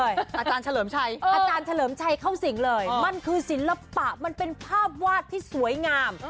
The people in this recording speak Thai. อาจารย์เฉลิมชัยอาจารย์เฉลิมชัยเข้าสิงเลยมันคือศิลปะมันเป็นภาพวาดที่สวยงาม